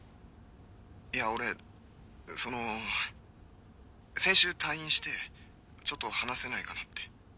いや俺その先週退院してちょっと話せないかなって。